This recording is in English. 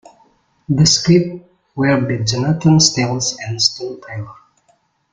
The scripts were by Jonathan Stathakis and Stu Taylor.